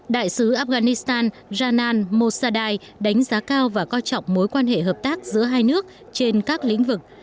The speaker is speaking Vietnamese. đại sứ afghanistan rana mosadai đánh giá cao và coi trọng mối quan hệ hợp tác giữa hai nước trên các lĩnh vực